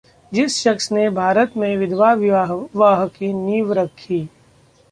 जिस शख्स ने भारत में विधवा विवाह की नींव रखी...